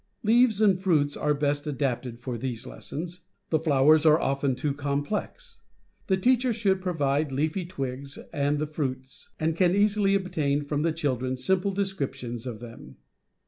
Leaves and fruits are best adapted for these les sons ; the flowers are often too complex. The teacher should provide leafy twigs and the fruits, and can easily obtain from the children simple descriptions of them.